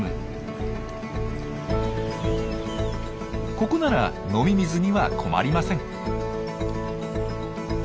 ここなら飲み水には困りません。